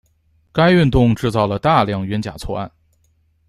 该运动制造了大量冤假错案。